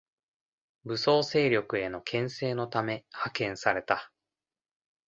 武装勢力への牽制のため派遣された